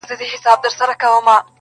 کلونه پس چي درته راغلمه، ته هغه وې خو؛.